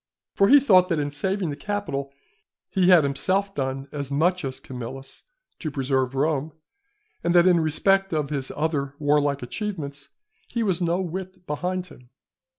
For he thought that in saving the Capitol, he had himself done as much as Camillus to preserve Rome, and that in respect of his other warlike achievements he was no whit behind him.